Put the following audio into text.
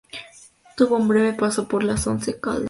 Tuvo un breve paso por el Once Caldas.